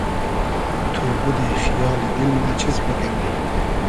تو بودی خیالی دیل ما چیز بوگیم